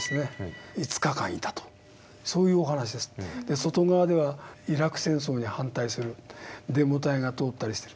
外側ではイラク戦争に反対するデモ隊が通ったりしてる。